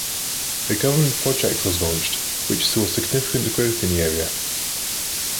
A government project was launched which saw significant growth in the area.